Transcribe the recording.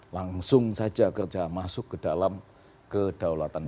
langsung saja kerja masuk ke dalam kedaulatan